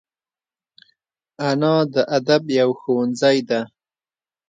انا د ادب یو ښوونځی ده